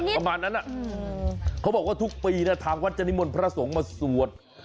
ประมาณนั้นเขาบอกว่าทุกปีนะทางวัดจะนิมนต์พระสงฆ์มาสวด